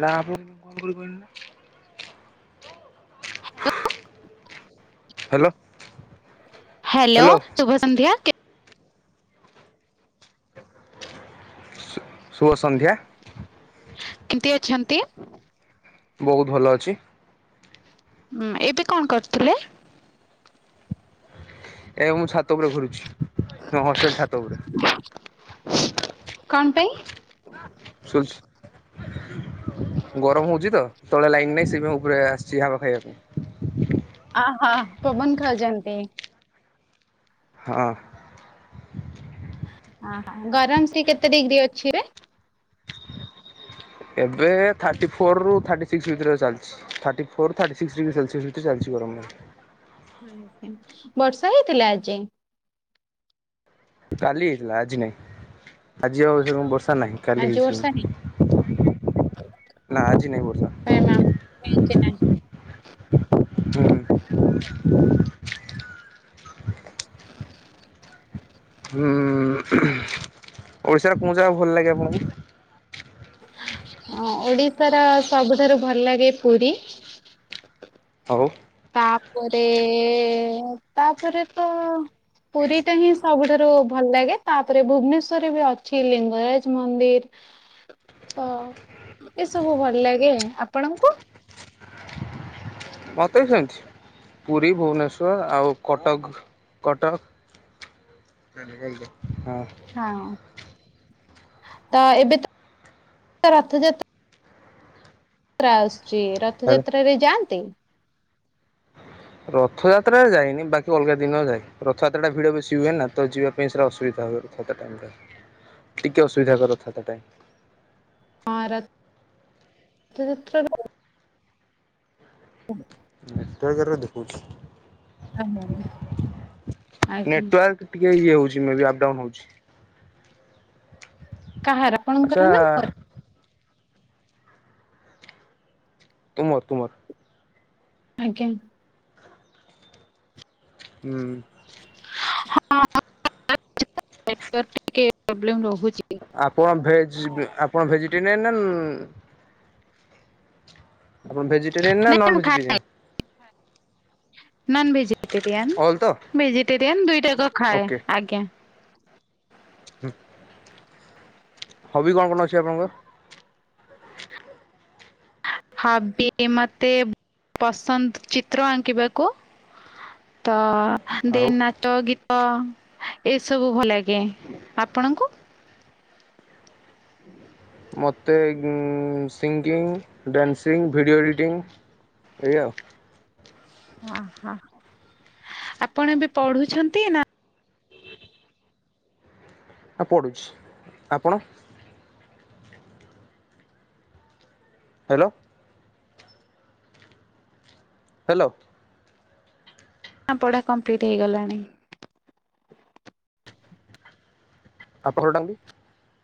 ଏଟା ଆପଣ କଣ କରିପାରିଲ ନା ଲ ହ୍ୟାଲୋ ଶୁଭ ସନ୍ଧ୍ୟା ସୁୁଭ ସନ୍ଧ୍ୟା କେମତି ଅଛନ୍ତି ବହୁତ ଭଲ ଅଛି ହୁଁ ଏବେ କଣ କରୁଥିଲେ ଏବଂଁ ଛାତ ଉପରେ ଘୁରୁଛି ହ ହୋଷ୍ଟଲ ଖ ହାତ ଉପରେ କଣ ପାଇଁ ଶୁଛି ଗରମ ହଉଛି ତ ତଳେ ଲାଇନ ନାହିଁ ସେ ଉପରେ ଆସିଛି ଯାହା ପାଖାଇବା ପାଇଁ ଆହ ପବନ ଖାଉଛନ୍ତି ହଁ ଅହ ଗରମ ସେ କେତେ ଡିଗ୍ରୀ ଅଛି ଏବେ ଥାର୍ଟି ଫୋର ରୁ ଥାର୍ଟି ସିକ୍ସ ଭିତରେ ଚାଲିଛି ଥାର୍ଟି ଫୋର୍ ଥଟି ସିକ୍ସ ଡିଗ୍ରୀ ସେଲସିୟସ୍ ଭିତରେ ଚାଲିଛି ଗରମ ବର୍ଷା ହେଇଥିଲା ଆଜି କାଲି ହେଇଥିଲା ଆଜି ନାଇଁ ଆଜି ଆଉ ବର୍ଷ ସାର୍ ନାହିଁ କାଲି ଆଜି ବର୍ଷା ହେଇନି। ହେଇଯିବ ନା ଆଜି ନାହିଁ ବର୍ଷ [unintelligible] ହ ଓଡ଼ିଶାରେ କହୁ ଯା ଭଲ ଲାଗେ ଆପଣଙ୍କୁ ଓଡ଼ିଶାର ସବୁଠାରୁ ଭଲ ଲାଗେ ପୁରୀ। ଆଉ, ତାପରେ- ଏ-ଏ ତାପରେ ତ ପୁରୀ ଟା ହିଁ ସବୁଠାରୁ ଭଲ ଲାଗେ ତାପରେ ଭୁବନେଶ୍ଵରରେ ବି ଅଛି ଲିଙ୍ଗରାଜ ମନ୍ଦିର ତ ଏସବୁ ଭଲ ଲାଗେ। ଆପଣଙ୍କୁ? ମତେ ବି ସେମତି। ପୁରୀ, ଭୁବନେଶ୍ଵର ଆଉ କଟକ, କଟକ। ହଁ। ତ ଏବେତ ରଥଯାତ୍ ତ୍ରା ଆସ୍ ସିଏ ରଥଯାତ୍ରାରେ ଯାଆନ୍ତେ। ରଥଯାତ୍ରାରେ ଯାଇନି ବାକି ଅଲଗା ଦିନ ଯାଏ ରଥଯାତ୍ରା ଟା ଭିଡ ବେଶି ହୁଏ ନା ତ ଯିବା ପାଇଁ ସେଟା ଅସୁବିଧା ହୁଏ। ରଥଯାତ୍ରା ଟାଇମ୍ ଟା, ଟିକେ ଅସୁବିଧା ହୁଏ ରଥଯାତ୍ରା ଟାଇମ୍। ହଁ ରଥ୍ ଥଯାତ୍ରାରେ ହ [unintelligible] [unintelligible] କେରେ ଦେଖଉଛି। ଆଉ ମୁଁ, ଆଜ୍ଞା। ଇଏ ଇଏ ହଉଛି ମେ ବି ଆପ୍ ଡାଉନ ହଉଛି। କାହାର ଆଚ୍ଛା ଆପଣଙ୍କର ନା ମୋର? ତୁମର ତୁମର। ଆଜ୍ଞା। ହୁଁ। ହଁ [inaudible] ନେଟୱାର୍କ ଟିକେ ପ୍ରବ୍ଲେମ ରହୁ ଆପଣ ଭେଜ୍ ଆପଣ ଭେଜିଟେରିିଆନ ନା ନ୍ ଆପଣ ଭେଜିଟେରିଆନ୍ ନା non vegetarian? Non vegetarian all ତ ଭେଜିଟେରିଆନ୍ ଦୁଇଟାକ ଖାଏ। ଆଜ୍ଞା, ହୁଁ। ହବି କଣ କଣ ଅଛି ଆପଣଙ୍କର? ହବି ମତେ ପସନ୍ଦ ଚିତ୍ର ଆଙ୍କିବାକୁ ତ ଆଉ ଦେନ୍ ନାଚ, ଗୀତ୍ କଁ ଏସବୁ ଭଲଲାଗେ। ଆପଣଙ୍କୁ? ମୋତେ games. Singing, dancing, video editing ଏଇୟା। ଅ ହ ଆପଣ ଏବେ ପଢୁଛନ୍ତି ନା ଆ ପଡ଼ୁଛି। ଆପଣ? ହେଲୋ। ହ୍ୟାଲୋ। ନା ପଢ଼ା କମ୍ପ୍ଲିଟ ହେଇଗଲାଣି? [unintelligible]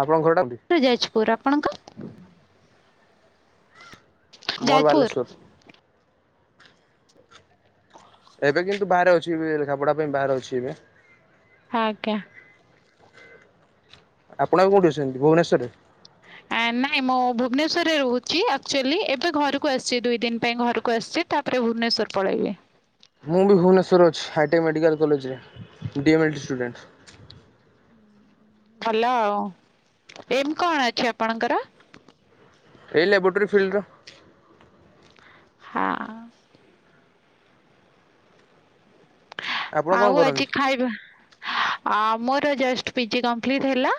ଆପଣଙ୍କ ଘରଟା କୋଉଠି ଯାଜପୁର ଆପ ଆପଣଙ୍କ? ମୋର ଯାଜପୁର ବାଲେଶ୍ୱର। ଏବେ କିନ୍ତୁ ବାହାରେ ଅଛି। ଏବେ ଲେଖାପଡା ପାଇଁ ବାହାରେ ଅଛି ଏବେ ଆଜ୍ଞା। ଆପଣ କୋଉଠି ଅଛନ୍ତି ଭୁବନେଶ୍ଵରରେ? ନାଇଁ ମୁଁ ଭୁବନେଶ୍ଵରରେ ରହୁଛି ଆକ୍ଚୁଆଲି ଏବେ ଘରକୁ ଆସିଛି। ଦୁଇ ଦିନ ପାଇଁ ଘରକୁ ଆସିଛି। ତାପରେ ଭୁବନେଶ୍ଵର ପଳେଇବି ମୁଁ ବି ଭୁବନେଶ୍ୱର ଅଛି ହାଇଟେକ୍ ମେଡ଼ିକାଲ କଲେଜରେ ଡିଏମ୍ଏଲ୍ଟି ଷ୍ଟୁଡେଣ୍ଟ। ଭଲ ଆଉ ଏମ କଣ ଅଛି ଆପଣଙ୍କର? ଏଇ ଲବ୍ରୋଟୋରି ଫିଲ୍ଡର ହଁ। ଆପଣ କଣ ଆଉ ଆଜି କରନ୍ତି ଖାଇବା। ମୋର ଜଷ୍ଟ ପିଜି କମ୍ପ୍ଲିଟ ହେଲା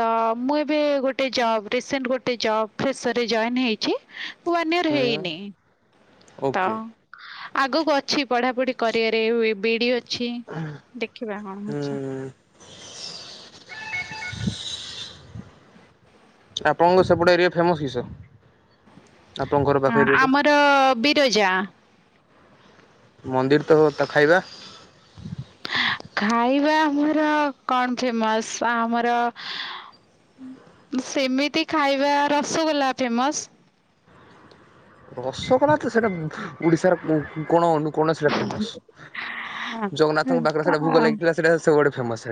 ତ ମୁଁ ଏବେ ଗୋଟେ ଜବ୍ ରିସେଣ୍ଟ ଗୋଟେ ଜବ୍ ଫେସରେ ଜଏନ୍ ହେଇଛି। ୱାନୟର ହୁଁ ହେଇନି। ତ ଓକେ। ଆଗକୁ ଅଛି ପଢ଼ାପଢି କରିବାରେ ବିଡି ଅଛି ଦେଖିବା କଣ ହଉଛି? ହୁଁ ଆପଣଙ୍କ ସେପଟେ ଏରିଆ ଫେମସ କିସ ଆପଣଙ୍କ ଘର ପାଖ ଏରିଆର ଆମର ବିରଜା। ମନ୍ଦିର ତ ତା ଖାଇବା। ଖାଇବା ଆମର କଣ ଫେମସ ଆମର ସେମିତି ଖାଇବା ରସଗୋଲା ଫେମସ। ରସଗୋଲା ତ ସେଇଟା ଓଡିଶାର କଣ ଅନୁ କୌଣସି ସେଟା ଫେମସ ଜଗନ୍ନାଥଙ୍କ ପାଖରେ ସେଟା ଭୋଗ ଲାଗିଥିଲା ସେଇଟା ସବୁଆଡେ ଫେମସ୍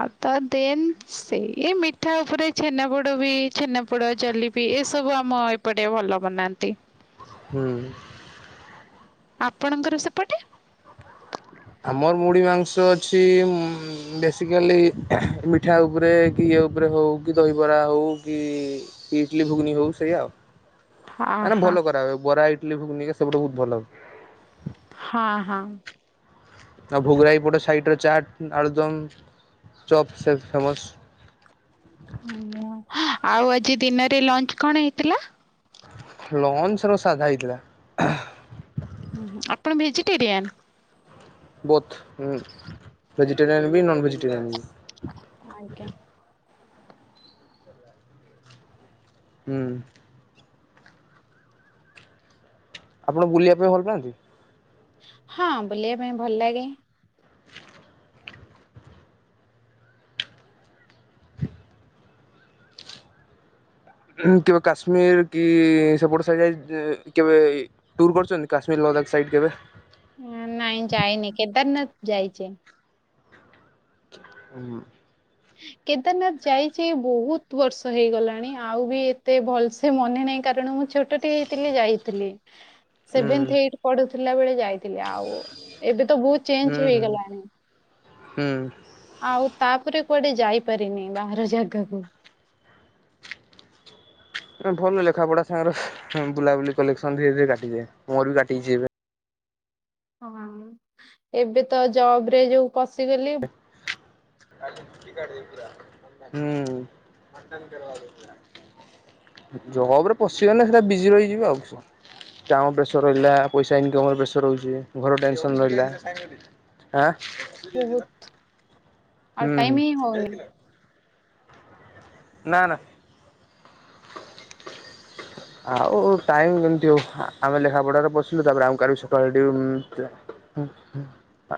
ଆ ତ ଦେନ ସେଇ ମିଠା ଉପରେ ଛେନାପୋଡ ବି ଛେନାପୋଡ ଜଲି ବିି ଏସବୁ ଆମ ଏପଟେ ଭଲ ବନାନ୍ତି। ହୁଁ। ଆପଣଙ୍କର ସେପଟେ ଆମର ମୁଢି ମାଂସ ଅଛି ବେସିକାଲି ମିଠା ଉପରେ କି ଇଏ ଉପରେ ହଉ କି ଦହିବରା ହଉ କି ଇଟଲି ଘୁଗନି ହଉ ସେଇୟା ଆଉ। ହଁ ମାନେ ହଁ ଭଲ କରାଏ ବରା ଇଟିଲି ଘୁଗୁନି ସେପଟେ ବହୁତ ଭଲ। ହଁ ହଁ। ଭୋଗରାଇ ପଟ ସାଇଟରେ ଚାଟ୍ ଆଦ ଚପ ଫେମସ ଆଉ ଆଜି ଦିନରେ ଲଞ୍ଚ କଣ ହେଇଥିଲା। ଲଞ୍ଚ ର ସାଧା ହେଇଥିଲା। ନ୍ [unintelligible] ବୋଥ ଭେଜିଟେରିୟନ ବି ନନ ଭେଜିଟେରିୟନ ବି। ଆଜଞା [unintelligible] ହୁଁ ଆପଣ ବୁଲିବା ପାଇଁ ଭଲ ପାଆନ୍ତି। ହଁ ବୁଲିବା ପାଇଁ ଭଲ ଲାଗେ। କେବେ କାଶ୍ମୀର କି କେବେ ଟୁର କରୁଛନ୍ତି କାଶ୍ମୀର ଲଦାଖ ସାଇଡ କେବେ ହ ନାଇ ଯାଇନି କେଦାର ନାଥ ଯାଇଚି। ହୁଁ। କେଦାରନାଥ ଯାଇଚି ବହୁତ ବର୍ଷ ହେଇଗଲାଣି ଆଉ ବି ଏତେ ଭଲ ସେ ମନେ ନାହିଁ କାରଣ ମୁଁ ଛୋ ଟ ଟେ ହେଇଥିଲି ଯାଇଥିଲି। ହୁଁ ସେଭେନ୍ଥ ଏଇଟି ପଢୁଥିଲା ବେଳେ ଯାଇଥିଲେି ଆଉ ଏବେ ତ ବହୁତ ହୁଁ ଚେଞ୍ଜ ହୁଁ। ହେଇଗଲାଣି। ହୁଁ। ଆଉ ତାପରେ କୁଆଡେ ଯାଇପାରିନି ବାହାର ଜାଗାକୁ। ଭଲ ଲେଖାପଢା ସାଙ୍ଗର ବୁଲାବୁଲି କଲେକ୍ସନ ଧୀରେ ଧୀରେ କାଟିଯାଏ ମୋର ବି କାଟିଯାଇଛି ଏବେ। ହଁ ଏବେ ତ ଜବ ରେ ଯୋଉ ପସିଗଲି। ହୁଁ ଜବ୍ ରେ ପଶିଗଲେ ସେଟା ବିଜି ରହିଯିବ ଆଉ କଣ କାମ ପ୍ରେସର ରହିଲା ପଇସା ଇନ୍କମ୍ ର ପ୍ରେସର ରହୁଚି ଘର ଟେନସନ ରହିଲା, ଆଁ ବହୁତ୍ ହୁଁ ଆଉ ହୁଁ ଟାଇମ୍ ହିଁ ହଉନି। ନା ନା ଆଉ ଟାଇମ୍ କେମିତି ହଉ ଆମେ ଲେଖା ପଢା଼ରେ ପସିଲୁ ତାପରେ ଆଉ କାଲି ସକାଳେ ଡିୟୁ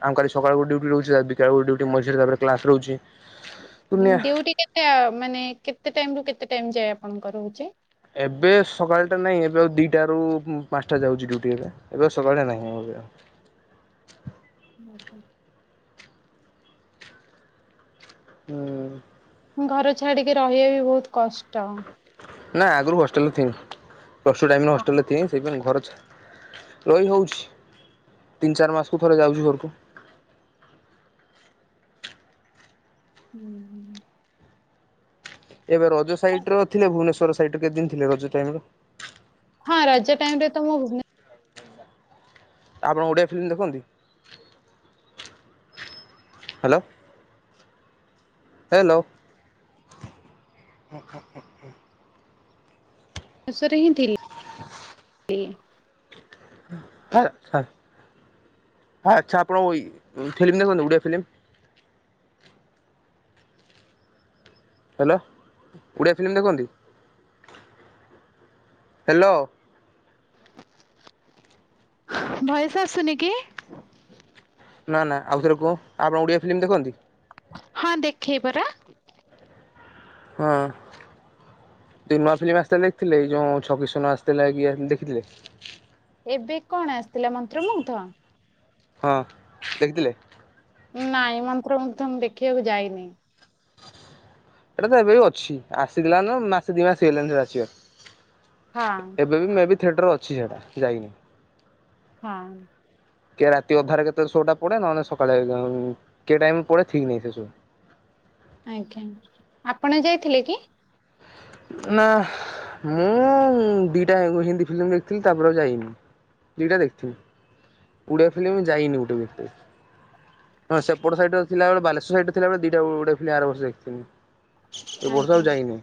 ଆମେ କାଲି ସକାଳକୁ ଡିୟୁଟି ରହୁଛି ତାପରେ ଦିଟା ବେଳୁ ଡିୟୁଟି ମଝିରେ ତାପରେ କ୍ଲାସ୍ ରହୁଛି। ଦୁନିଆ ଡିୟୁଟି କେତେ ମାନେ କେ କେତେ ଟାଇମ୍ ରୁ କେତେ ଟାଇମ୍ ଯାଏଁ ଆପଣଙ୍କର ରହୁଛି। ଏବେ ସକାଳଟା ନାଇଁ ଏବେ ଆଉ ଦିଟା ରୁ ପାଞ୍ଚଟା ଯାଉଛି ଡିୟୁଟି ଏବେ ସକାଳେ ନାହିଁ ଏବେ ଆଉ। [inaudible] ହୁଁ। ଘର ଛାଡିକି ରହିବା ବି ବହୁତ୍ କଷ୍ଟ। ନା ଆଗରୁ ହଷ୍ଟେଲରେ ଥିଲି। ପ୍ଲସ୍ଟୁ ଟାଇମ୍ ରେ ହଁ ହଷ୍ଟେଲରେ ଥିଲି ସେଇଥିନି ସେଇଥିପାଇଁ ଘର ଛା ରହି ହଉଛି ତିନି ଚାରି ମାସକୁ ଥରେ ଯାଉଚି ଘରକୁ। ହୁଁ ହୁଁ। ଏବେ ରଜ ସାଇଟ୍ ର ଥିଲେ ଭୁବନେଶ୍ୱର ର ସାଇଟ୍ ରେ କେତେ ଦିନ ଥିଲେ ରଜ ଟାଇମ୍ ରେ। ହଁ ରାଜା ଟାଇମ ରେ ତ ମୁଁ ଭୁନେ ଆପଣ ଓଡ଼ିଆ ଫିଲ୍ମ ଦେଖନ୍ତି। ହାଲୋ। ହ୍ୟାଲୋ। ଶେଷରେ ହିଁ ଥିଲି। ଲି। [unintelligible] ହଁ ଆଚ୍ଛା ଆପଣ ଏଇ ଫିଲ୍ମ୍ ଦେଖନ୍ତି Odia film. Hello Odia film ଦେଖନ୍ତି ହେଲୋ। ଭଏସ୍ ଆସୁନି କିି। ନା ନା ଆଉଥରେ କୁହ ଆପଣ ଓଡିଆ ଫିଲ୍ମ ଦେଖନ୍ତି। ହଁ ଦେଖେ ପରା। ହଁ ଯୋ ନୂଆ ଫିଲ୍ମ ଆସିଥିଲା ଦେଖିଥିଲେ ଏଇ ଯୋଉଁ ଛକି ସୁନ ଆସିଥିଲା ଦେଖିଥିଲେ। ଏବେ କଣ ଆସିଥିଲା ମନ୍ତ୍ର ମୁଗ୍ଧ। ହଁ ଦେଖିଥିଲେ। ନାଇଁ ମନ୍ତ୍ର ମୁଗ୍ଧ ମୁଁ ଦେଖିବାକୁ ଯାଇନି ଏଇଟା ତ ଏବେ ବି ଅଛି ଆସିଗଳାଣି ମାସେ ଦି ମାସେ ହେଲାଣି ଯେବେ ହଁ ଆସିବାର ଏବେ ବି ମୁଁ ବି ଥିଏଟର୍ ଅଛି ସେଟା ଯାଇନି ହଁ କେବେ ରାତି ଅଧାରେ କେତେବେଳେ ସୋଟା ପଡେ ନହେଲେ ସକାଳେ କେ ଟାଇମ୍ ପଡେ ଠିକ୍ ନାହିଁ ସେ ସୋ ଆଜ୍ଞା ଆପଣ ଯାଇଥିଲେ କି ନାଁ ମୁଁ ଦିଟା ହିନ୍ଦୀ ଫିଲ୍ମ୍ ଦେଖିଥିଲି ତାପରେ ଆଉ ଯାଇନି ଦିଟା ଦେଖିଥିଲି ଓଡିଆ ଫିଲ୍ମ୍ ଯାଇନି ଗୋଟେ ବି ହଁ ସେପଟ ସାଇଡରେ ଥିଲାବେଳେ ବାଲେଶ୍ଵର ସାଇଡରେ ଥିଲାବେଳେ ଦିଟା ଓଡିଆ ଫିଲ୍ମ ଆର ବର୍ଷ ଦେଖିଥିଲି ଏ ବର୍ଷ ଆଜ୍ଞା। ଆଉ ଯାଇନି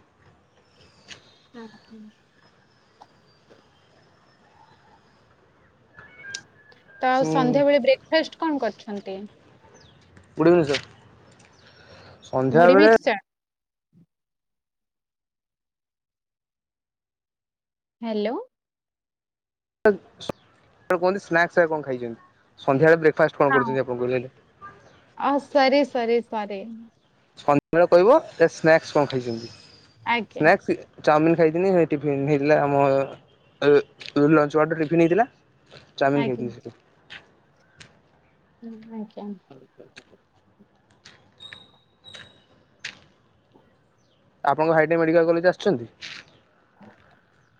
[unintelligible] ତ ଆଉ ହୁଁ ସନ୍ଧ୍ୟାବେେଳେ ବ୍ରେକଫାଷ୍ଟ କଣ କରିଛୁ ହେମତି ଗୁଡ଼୍ ଇଭିନିଂ ସାର୍ ସନ୍ଧ୍ୟା ମୁଢି ବେଳେ ମିକ୍ସଚର ହ୍ୟାଲୋ ଆପଣ କୁହନ୍ତୁ ସ୍ନାକ୍ସ କଣ ଖାଇଛନ୍ତି ସନ୍ଧ୍ୟାବେଳେ ବ୍ରେକ ହଁ ଅ ସରି ସରି ସରି ସେ ସନ୍ଧ୍ୟାବେଳେ କହିବ ଏ ସ୍ନାକ୍ସ କଣ ଖାଇଛନ୍ତି ଆଜ୍ଞା ସ୍ନାକ୍ସ ଚାଉମିିନ ଖାଇଦିନି ସେ ଟିଫିନ ହେଇଥିଲା ଆମ ଲଞ୍ଚ ୱାଡ ରେ ଟିଫିନ୍ ହେଇଥିଲା ଚାଉମିନ ଆଜ୍ଞା ଖାଇଥିଲି ସେଠି ହ ଆଜ୍ଞା ଆପଣଙ୍କ ହାଇଟେକ ମେଡିକାଲ କଲେଜ ଆସିଛନ୍ତି [unintelligible]